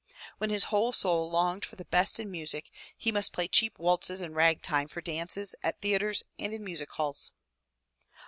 When his whole soul longed for the best in music, he must play cheap waltzes and rag time for dances, at theatres, and in music halls.